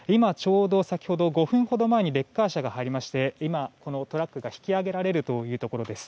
先ほど５分ほど前にレッカー車が入りまして今、トラックが引き上げられるところです。